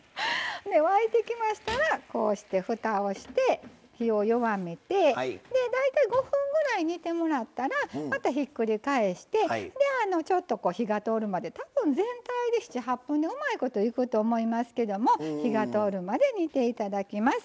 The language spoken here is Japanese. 沸いてきましたらこうしてふたをして火を弱めて大体５分ぐらい煮てもらったらまたひっくり返してちょっと火が通るまでたぶん全体で７８分でうまいこといくと思いますけども火が通るまで煮ていただきます。